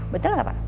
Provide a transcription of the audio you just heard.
bener gak pa